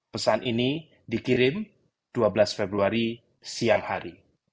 pesan ini dikirim dua belas februari siang hari